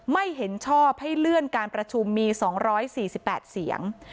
ไม่เห็นชอบให้เลื่อนการประชุมมี๒๔๘เสียง